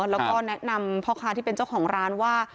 แล้วก็แนะนำพ่อค้าที่เป็นเจ้าของร้านว่า